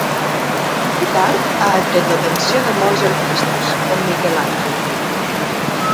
Aquest arc ha atret l'atenció de molts artistes, com Michelangelo.